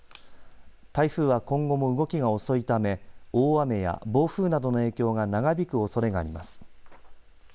台風は今後も動きが遅いため大雨や暴風などの影響が長引くおそれがあります。